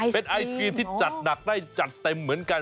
เป็นไอศกรีมที่จัดหนักได้จัดเต็มเหมือนกัน